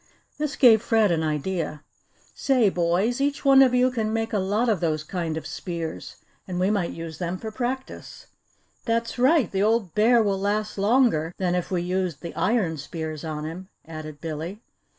This gave Fred an idea. "Say, boys, each one of you can make a lot of those kind of spears and we might use them for practice." "That's right! The old bear will last longer than if we used the iron spears on him," added Billy.